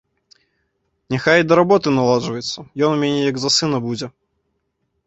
Няхай і да работы наладжваецца, ён у мяне як за сына будзе.